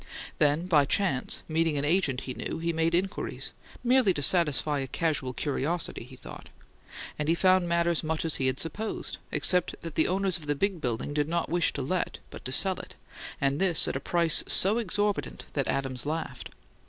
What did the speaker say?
Then, by chance, meeting an agent he knew, he made inquiries merely to satisfy a casual curiosity, he thought and he found matters much as he had supposed, except that the owners of the big building did not wish to let, but to sell it, and this at a price so exorbitant that Adams laughed.